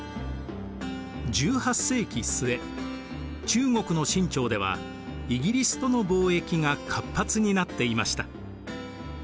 中国の清朝ではイギリスとの貿易が活発になっていました。